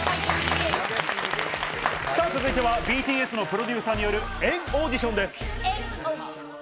さぁ、続いてはＢＴＳのプロデューサーによる＆ＡＵＤＩＴＩＯＮです。